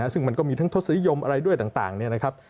ซึ่งมันก็มีทั้งทศนิยมอะไรด้วยต่างเนี่ยนะครับ